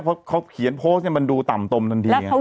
เพราะเขาเขียนโพสต์ให้มันดูต่ำตมทันทีไง